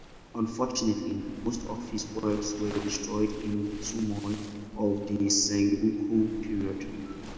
Unfortunately, most of his works were destroyed in the turmoil of the Sengoku period.